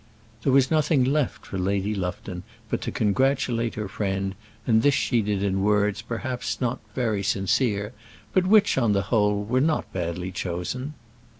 There was nothing left for Lady Lufton but to congratulate her friend, and this she did in words perhaps not very sincere, but which, on the whole, were not badly chosen.